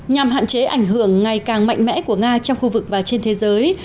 nhằm hạn chế ảnh hưởng ngày càng mạnh mẽ của nga trong khu vực và trên thế giới